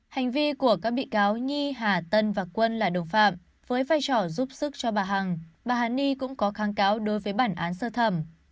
hành vi của các bị cáo nhi hà tân và quân là đồng phạm với vai trò giúp sức cho bà hằng bà hà ni cũng có kháng cáo đối với bản án sơ thẩm